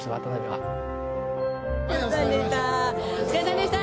はいお疲れさまでした。